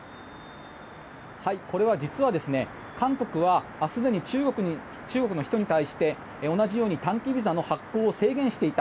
これは実は、韓国はすでに中国の人に対して同じように短期ビザの発行を制限していた。